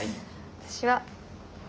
私は。